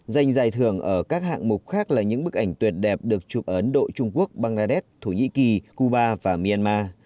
giành giải thưởng ở các hạng mục khác là những bức ảnh tuyệt đẹp được chụp ở ấn độ trung quốc bangladesh thổ nhĩ kỳ cuba và myanmar